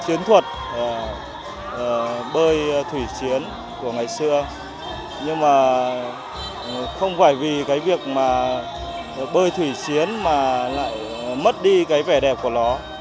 chiến thuật bơi thủy chiến của ngày xưa nhưng mà không phải vì cái việc mà bơi thủy chiến mà lại mất đi cái vẻ đẹp của nó